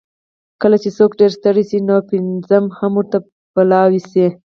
کله چې څوک ډېر ستړی شي، نو پېڅه هم ورته پلاو شي.